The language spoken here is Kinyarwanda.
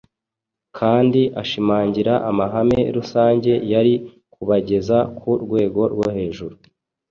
kandi ashimangira amahame rusange yari kubageza ku rwego rwo hejuru